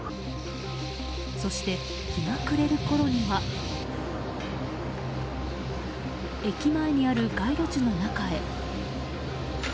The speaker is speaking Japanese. そして日が暮れるころには駅前にある街路樹の中へ。